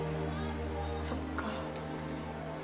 そっか